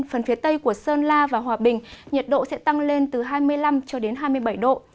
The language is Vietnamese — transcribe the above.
phần phía tây của sơn la và hòa bình nhiệt độ sẽ tăng lên từ hai mươi năm cho đến hai mươi bảy độ